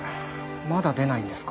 まだ出ないんですか？